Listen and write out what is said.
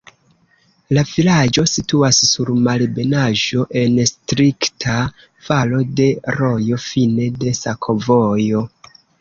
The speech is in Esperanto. La vilaĝo situas sur malebenaĵo en strikta valo de rojo, fine de sakovojo.